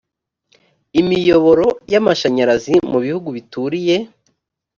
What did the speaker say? imiyoboro y amashanyarazi mu bihugu bituriye